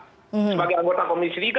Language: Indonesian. sebagai anggota komisi liga